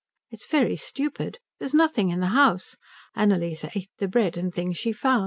It's very stupid. There's nothing in the house. Annalise ate the bread and things she found.